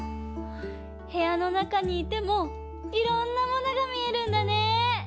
へやのなかにいてもいろんなものがみえるんだね！